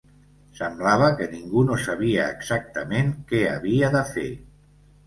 Semblava que ningú no sabia exactament què havia de fer